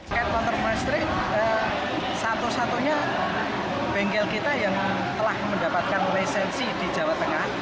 sket motor listrik satu satunya bengkel kita yang telah mendapatkan lisensi di jawa tengah